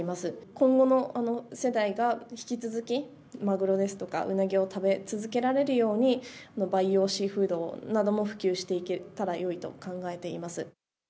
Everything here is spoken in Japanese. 今後の世代が引き続き、マグロですとかウナギを食べ続けられるように、培養シーフードなども普及していけたらよいと考えています。